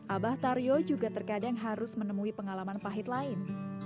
abah taryo juga terkadang harus menemui pengalaman pahit lain